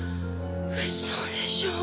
嘘でしょう。